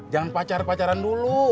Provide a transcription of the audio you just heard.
jangan pacar pacaran dulu